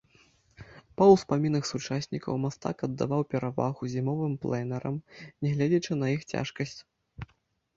Па ўспамінах сучаснікаў мастак аддаваў перавагу зімовым пленэрам, не гледзячы на іх цяжкасць.